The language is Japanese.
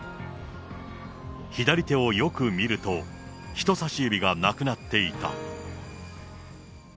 左手をよく見ると、人さし指がなくなっていた。